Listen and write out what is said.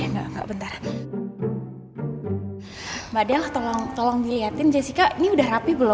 mbak adele tolong dilihatin jessica ini udah rapi belum